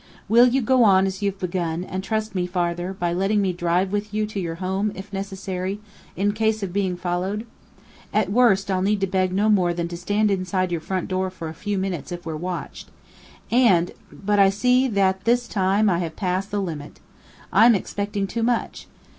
Will you go on as you've begun, and trust me farther, by letting me drive with you to your home, if necessary, in case of being followed? At worst, I'll need to beg no more than to stand inside your front door for a few minutes if we're watched, and but I see that this time I have passed the limit. I'm expecting too much!